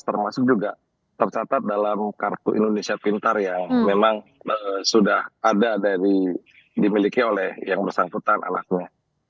termasuk juga tercatat dalam kartu indonesia pintar yang memang sudah ada dari dimiliki oleh yang bersangkutan anaknya